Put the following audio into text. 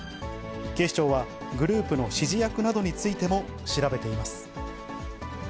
警視庁はグループの指示役などについても調べています。